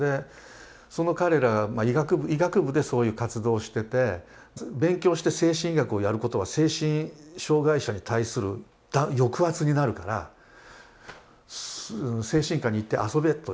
その彼らが医学部でそういう活動をしてて勉強して精神医学をやることは精神障害者に対する抑圧になるから精神科に行って遊べと言われたんですよ。